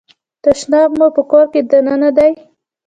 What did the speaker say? تشناب مو په کور کې دننه دی؟